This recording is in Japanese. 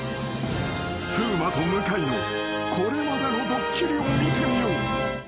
［風磨と向井のこれまでのドッキリを見てみよう］